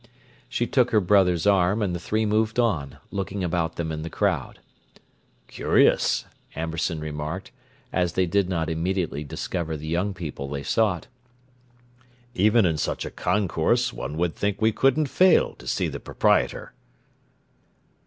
She took her brother's arm, and the three moved on, looking about them in the crowd. "Curious," Amberson remarked, as they did not immediately discover the young people they sought. "Even in such a concourse one would think we couldn't fail to see the proprietor."